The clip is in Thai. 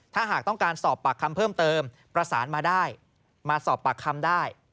ถ้าหากต้องการสอบปากคำเพิ่มเติมประสานมาได้มาสอบปากคำได้